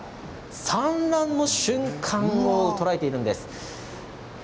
産卵の瞬間を捉えているんです。